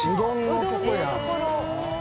うどんのところ。